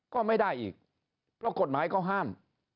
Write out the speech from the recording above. ก็ไม่ได้อีกก็กฎหมายก็ห้าม